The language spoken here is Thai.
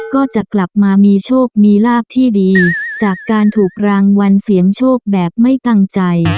ก็จะกลับมามีโชคมีลาบที่ดีจากการถูกรางวัลเสียงโชคแบบไม่ตั้งใจ